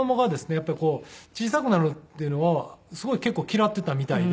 やっぱりこう小さくなるっていうのをすごい結構嫌っていたみたいで。